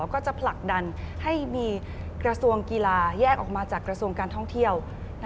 แล้วก็จะผลักดันให้มีกระทรวงกีฬาแยกออกมาจากกระทรวงการท่องเที่ยว